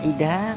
mana idan tau